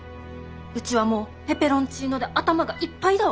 うちはもうペペロンチーノで頭がいっぱいだわけ。